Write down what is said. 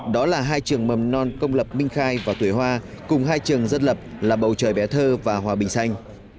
đó là hai trường mầm non công lập minh khai và tuổi hoa cùng hai trường dân lập là bầu trời bé thơ và hòa bình xanh